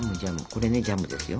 これねジャムですよ。